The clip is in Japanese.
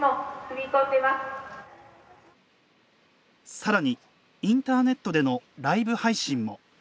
さらに、インターネットでのライブ配信も。